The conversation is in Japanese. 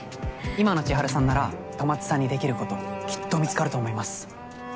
今の千晴さんなら戸松さんにできることきっと見つかると思います。